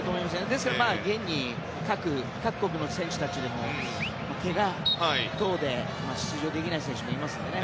ですから現に各国の選手たちでもけが等で出場できない選手もいましたね。